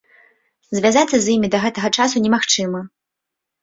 Звязацца з імі да гэтага часу немагчыма.